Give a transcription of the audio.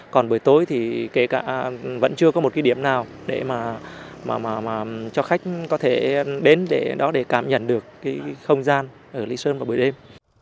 còn buổi tối thì kể cả vẫn chưa có một cái điểm nào để mà cho khách có thể đến để đó để cảm nhận được cái không gian ở lý sơn vào buổi đêm